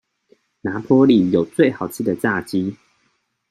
拿坡里有最好吃的炸雞